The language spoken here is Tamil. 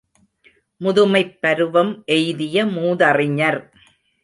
முதுமைப் பருவம் எய்திய மூதறிஞர்.